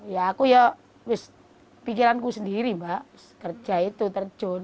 ya aku ya wis pikiranku sendiri mbak kerja itu terjun